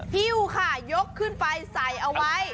ฮิ้วค่ะยกขึ้นไปใส่เอาไว้